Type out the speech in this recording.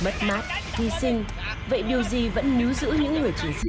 bất mát hy sinh vậy điều gì vẫn nhứa giữ những người chỉ xin